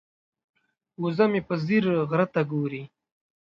وزه مې په ځیر غره ته ګوري.